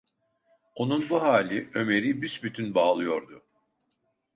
Onun bu hali Ömer’i büsbütün bağlıyordu.